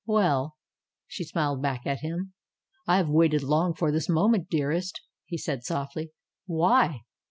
"Well !" she smiled back at him. "I have waited long for this moment, dearest!^' he said softly. "Why?